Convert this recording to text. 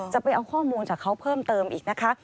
จะเอาข้อมูลจากเขาเพิ่มเติมอีกนะคะ